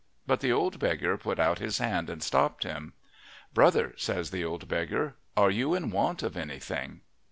But the old beggar put out his hand and stopped him. "Brother," says the old beggar, "are you in want of anything?"